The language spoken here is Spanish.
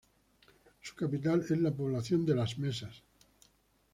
Su capital es la población de Las Mesas.